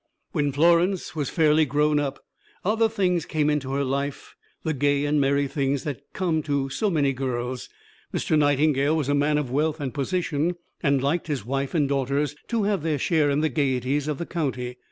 When Florence was fairly "grown up," other things came into her life, the gay and merry things that come to so many girls. Mr. Nightingale was a man of wealth and position, and liked his wife and daughters to have their share in the gayeties of the county.